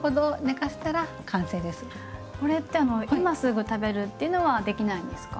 これって今すぐ食べるっていうのはできないんですか？